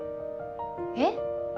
えっ？